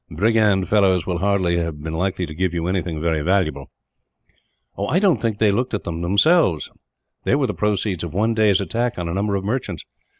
Brigand fellows will hardly have been likely to give you anything very valuable." "I don't think that they looked at them, themselves; they were the proceeds of one day's attack on a number of merchants.